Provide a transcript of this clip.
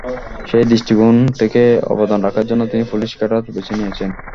সেই দৃষ্টিকোণ থেকে অবদান রাখার জন্য তিনি পুলিশ ক্যাডার বেছে নিয়েছেন।